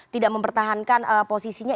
tidak mempertahankan posisinya